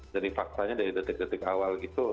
dari faktanya dari detik detik awal itu